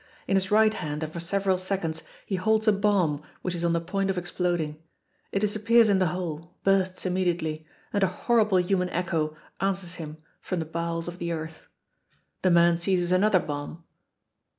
In his right hand and for several seconds he holds a bomb which is on the point of exploding. It disappears in the hole, bursts immediately, and a horrible human echo answers him from the bowels of the earth. The man seizes another bomb.